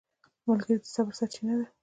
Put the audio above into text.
ملګری د صبر سرچینه ده